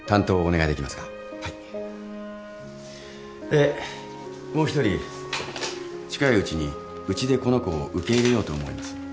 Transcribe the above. えーもう一人近いうちにうちでこの子を受け入れようと思います。